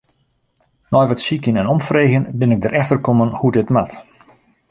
Nei wat sykjen en omfreegjen bin ik derefter kommen hoe't dit moat.